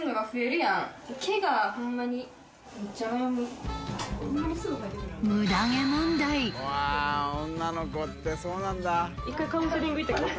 うわぁ女の子ってそうなんだ。